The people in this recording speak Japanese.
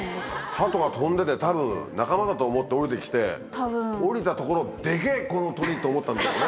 ハトが飛んでてたぶん仲間だと思って下りて来て下りたところ「デケェこの鳥！」と思ったんでしょうね。